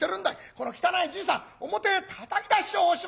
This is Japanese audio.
この汚いじいさん表へたたき出しておしまい！」。